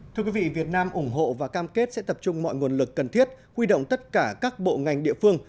thưa quý vị việt nam ủng hộ và cam kết sẽ tập trung mọi nguồn lực cần thiết huy động tất cả các bộ ngành địa phương